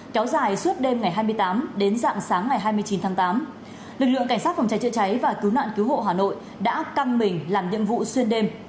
cảnh sát phòng cháy chữa cháy và cứu nạn cứu hộ hà nội đã căng mình làm nhiệm vụ xuyên đêm